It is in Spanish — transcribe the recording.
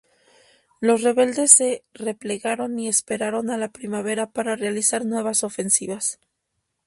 Los rebeldes se replegaron y esperaron a la primavera para realizar nuevas ofensivas.